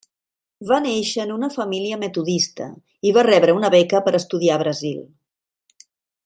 Va néixer en una família metodista, i va rebre una beca per estudiar a Brasil.